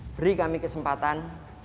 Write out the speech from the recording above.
beri kami kesempatan